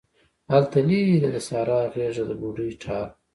هلته لیرې د سارا غیږ د بوډۍ ټال